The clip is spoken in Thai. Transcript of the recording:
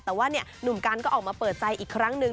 แต่ว่าหนุ่มกันก็ออกมาเปิดใจอีกครั้งนึง